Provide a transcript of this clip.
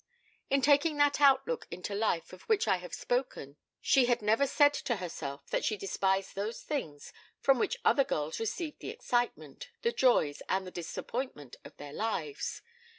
In taking that outlook into life of which I have spoken she had never said to herself that she despised those things from which other girls received the excitement, the joys, and the disappointment of their lives.